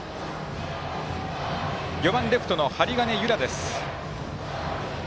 ４番レフトの針金侑良。